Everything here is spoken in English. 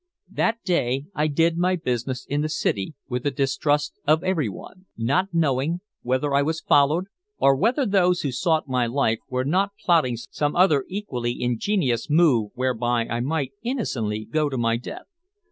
That day I did my business in the city with a distrust of everyone, not knowing whether I was not followed or whether those who sought my life were not plotting some other equally ingenious move whereby I might go innocently to my death.